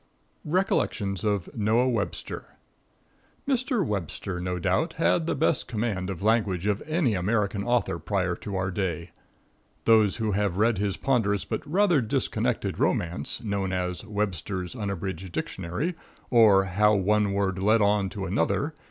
Recollections of Noah Webster. Mr. Webster, no doubt, had the best command of language of any American author prior to our day. Those who have read his ponderous but rather disconnected romance known as "Websters Unabridged Dictionary, or How One Word Led on to Another."